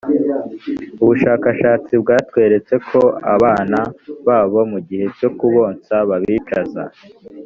ubu bushakashatsi bwatweretse ko abana babo mu gihe cyo kubonsa babicaza